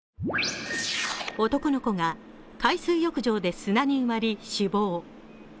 男の子が海水浴場で砂に埋まり死亡。